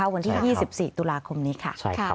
วันที่๒๔ตุลาคมนี้ค่ะ